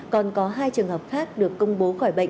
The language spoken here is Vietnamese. còn có hai trường hợp khác được công bố khỏi bệnh